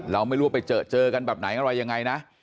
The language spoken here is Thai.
เราไม่รู้ว่าไปเจอเจอกันแบบไหนอะไรยังไงนะ